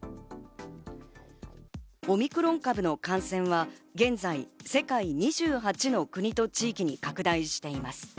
オミクロン株の感染は現在、世界２８の国と地域に拡大しています。